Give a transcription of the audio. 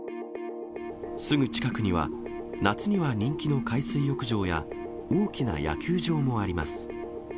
すぐ近くには、夏には人気の海水浴場や、大きな野球場もあります。